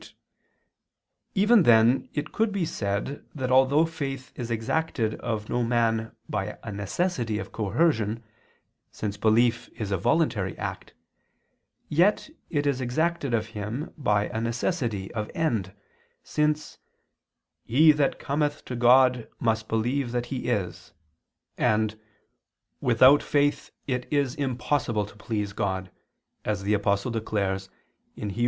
Yet even then it could be said that although faith is exacted of no man by a necessity of coercion, since belief is a voluntary act, yet it is exacted of him by a necessity of end, since "he that cometh to God must believe that He is," and "without faith it is impossible to please God," as the Apostle declares (Heb.